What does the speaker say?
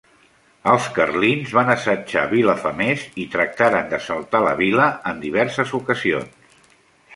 Els carlins van assetjar Vilafamés i tractaren d'assaltar la vila en diverses ocasions.